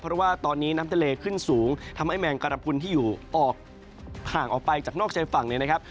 เพราะว่าตอนนี้น้ำทะเลขึ้นสูงทำให้แมงกระพุนที่อยู่ออกห่างออกไปจากนอกชายฝั่งเนี่ยนะครับ